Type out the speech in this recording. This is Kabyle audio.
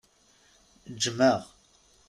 Ǧǧem-aɣ!